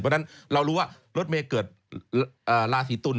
เพราะฉะนั้นเรารู้ว่ารถเมย์เกิดราศีตุล